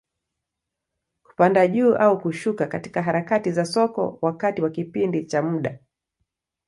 Kupanda juu au kushuka katika harakati za soko, wakati wa kipindi cha muda.